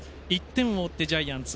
１点を追ってジャイアンツ